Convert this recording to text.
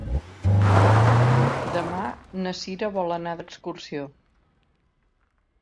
Demà na Cira vol anar d'excursió.